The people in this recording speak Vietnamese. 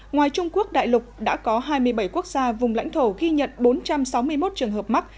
ngoài trung quốc đại lục đã có hai mươi bảy quốc gia vùng lãnh thổ ghi nhận bốn trăm sáu mươi một trường hợp mắc